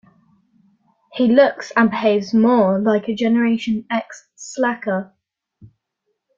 He looks and behaves more like a Generation X slacker.